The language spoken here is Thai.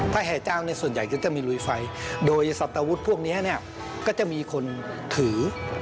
ถ้าแห่เจ้าเนี่ยส่วนใหญ่ก็จะมีลุยไฟโดยสัตวุธพวกนี้เนี่ยก็จะมีคนถือ